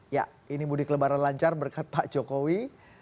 ya ini mudik lebaran lancar berkat pak jokowi